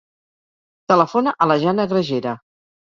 Telefona a la Jana Gragera.